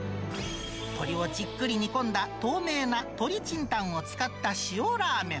鶏をじっくり煮込んだ透明な鶏ちんたんを使った塩ラーメン。